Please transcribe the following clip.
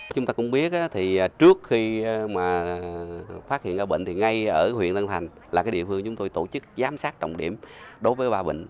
chúng ta cũng biết trước khi phát hiện ra bệnh ngay ở huyện tân thành là địa phương chúng tôi tổ chức giám sát trọng điểm đối với ba bệnh